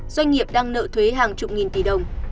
doanh nghiệp đang nợ thuế hàng chục nghìn tỷ đồng